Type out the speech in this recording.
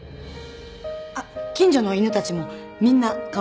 あっ近所の犬たちもみんな顔見知りで。